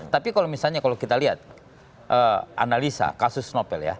tapi kalau misalnya kalau kita lihat analisa kasus novel ya